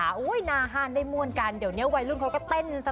สุดยอดเลยคุณผู้ชมค่ะบอกเลยว่าเป็นการส่งของคุณผู้ชมค่ะ